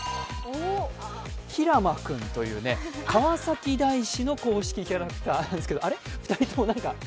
ひらまくんという、川崎大師の公式キャラクターなんですがあれ、２人とも何か？